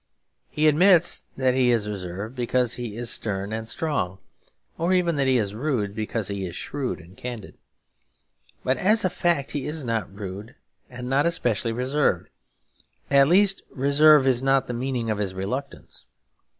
He admits that he is reserved because he is stern and strong; or even that he is rude because he is shrewd and candid. But as a fact he is not rude and not especially reserved; at least reserve is not the meaning of his reluctance.